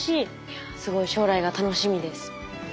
いやすごい将来が楽しみです。